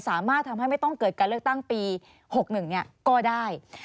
สามารถทำให้ไม่ต้องเกิดการเลือกตั้งปี๖๑ก็ได้